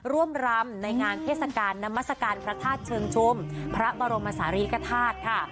รำในงานเทศกาลนามัศกาลพระธาตุเชิงชุมพระบรมศาลีกฐาตุค่ะ